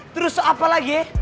terus apa lagi